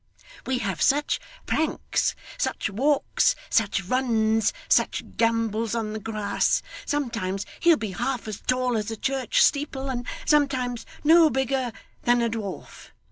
We have such pranks, such walks, such runs, such gambols on the grass! Sometimes he'll be half as tall as a church steeple, and sometimes no bigger than a dwarf.